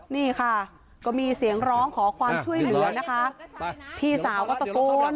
นี่ค่ะก็มีเสียงร้องขอความช่วยเหลือนะคะพี่สาวก็ตะโกน